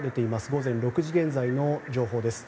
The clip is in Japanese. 午前６時現在の情報です。